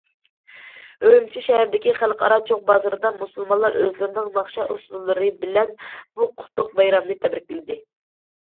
ئۈرۈمچى شەھىرىدىكى خەلقئارا چوڭ بازىرىدا مۇسۇلمانلار ئۆزلىرىنىڭ ناخشا- ئۇسسۇللىرى بىلەن بۇ قۇتلۇق بايرامنى تەبرىكلىدى.